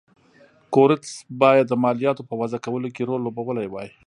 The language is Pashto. کورتس باید د مالیاتو په وضعه کولو کې رول لوبولی وای.